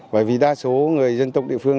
và vì đa số người dân tộc địa phương